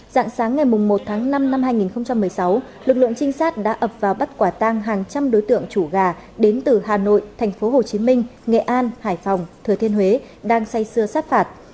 dạng sáng ngày một tháng năm năm hai nghìn một mươi sáu lực lượng trinh sát đã ập vào bắt quả tang hàng trăm đối tượng chủ gà đến từ hà nội thành phố hồ chí minh nghệ an hải phòng thừa thiên huế đang xây xưa sát phạt